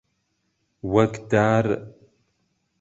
وهک دار ---